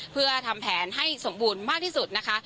เพื่อทำแผนให้สมบูรณ์มากที่สุดนะคะ